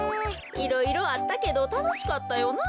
いろいろあったけどたのしかったよな。